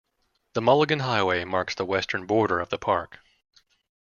The Mulligan Highway marks the western border of the park.